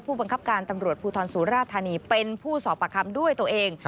ผู้บังคับการตำรวจภูทรสุราธานีเป็นผู้สอบประคำด้วยตัวเอง